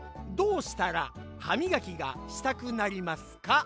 どうしたらはみがきがしたくなりますか？